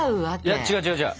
いや違う違う違う。